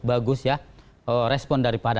bagus ya respon daripada